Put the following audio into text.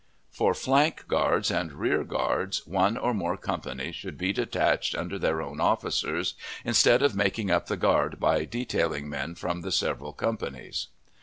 For flank guards and rear guards, one or more companies should be detached under their own officers, instead of making up the guard by detailing men from the several companies.